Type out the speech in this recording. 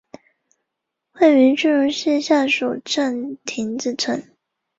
位于句容市下蜀镇亭子村。